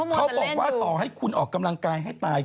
เขาบอกว่าต่อให้คุณออกกำลังกายให้ตาย